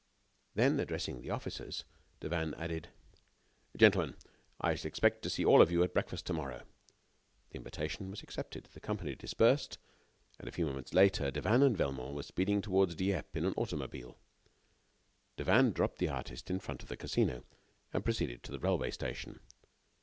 Then addressing the officers, Devanne added: "Gentlemen, I shall expect to see all of you at breakfast to morrow." The invitation was accepted. The company dispersed, and a few moments later Devanne and Velmont were speeding toward Dieppe in an automobile. Devanne dropped the artist in front of the Casino, and proceeded to the railway station.